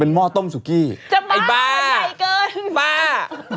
เป็นหม้อต้มสุกี้ไอ้บ้าเย็นใหญ่เกินบ้า